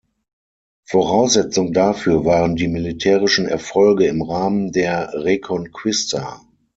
Voraussetzung dafür waren die militärischen Erfolge im Rahmen der Reconquista.